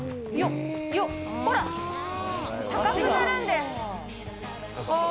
よっ、ほら、高くなるんです。